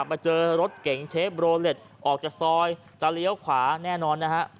มาเจอรถเก่งเชฟโรเล็ตออกจากซอยจะเลี้ยวขวาแน่นอนนะฮะ